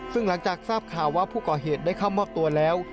ซึ่งหลังจากทราบข่าวว่าผู้ก่อเหตุได้เข้ามอบตัวแล้ว